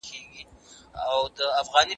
ایمي وایي، "زما بدن ووایي بس دی!"